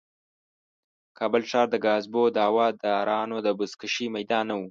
کابل ښار د کاذبو دعوه دارانو د بزکشې میدان نه و.